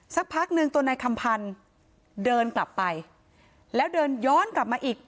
สักพักหนึ่งตัวนายคำพันธ์เดินกลับไปแล้วเดินย้อนกลับมาอีก